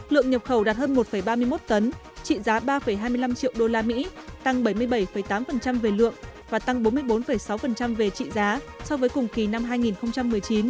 lượng nhập khẩu đạt hơn một ba mươi một tấn trị giá ba hai mươi năm triệu usd tăng bảy mươi bảy tám về lượng và tăng bốn mươi bốn sáu về trị giá so với cùng kỳ năm hai nghìn một mươi chín